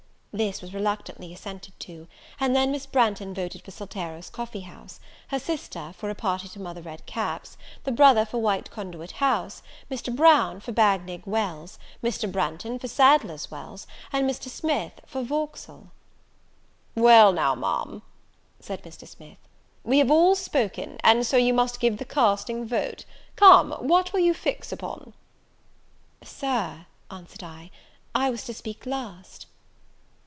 This was reluctantly assented to; and then Miss Branghton voted for Saltero's Coffee house; her sister, for a party to Mother Red Cap's; the brother for White Conduit House; Mr. Brown, for Bagnigge Wells; Mr. Braughton, for Sadler's Wells; and Mr. Smith, for Vauxhall. "Well now, Ma'am," said Mr. Smith, "we have all spoken, and so you must give the casting vote. Come, what will you fix upon?" "Sir," answered I, "I was to speak last."